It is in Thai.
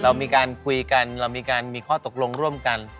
เรามีการคุยกันเรามีการมีข้อตกลงร่วมกัน